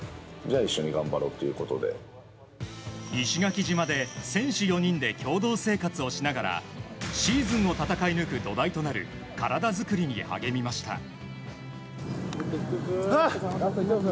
石垣島で選手４人で共同生活をしながらシーズンを戦い抜く土台となる体作りに励みました。